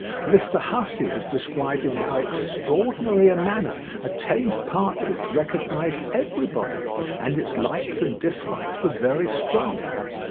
Mr. Hussey has described in how extraordinary a manner a tamed partridge recognised everybody: and its likes and dislikes were very strong.